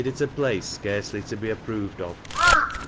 it a pldce scarcely to be approved of.